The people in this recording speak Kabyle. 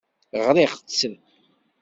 Ɣriɣ-tt.